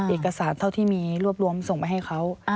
เอกสารเท่าที่มีรวบรวมส่งไปให้เขา